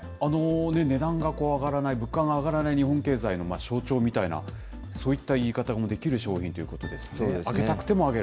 値段が上がらない、物価が上がらない日本経済の象徴みたいな、そういった言い方もできる商品ということですね。